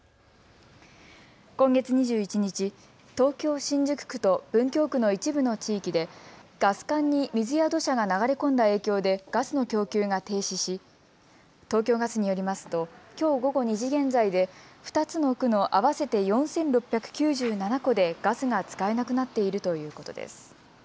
今月２１日、東京新宿区と文京区の一部の地域でガス管に水や土砂が流れ込んだ影響でガスの供給が停止し東京ガスによりますと、きょう午後２時現在で２つの区の合わせて４６９７戸でガスが使えなくなっているということです。